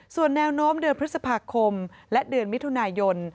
ส่วนแนวโน้มเดือนพฤษภาคมและเดือนมิถุนายน